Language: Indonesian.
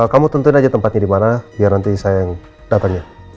kamu tuntun aja tempatnya dimana biar nanti saya yang datang ya